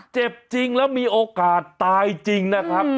เจ็บจริงแล้วมีโอกาสตายจริงนะครับ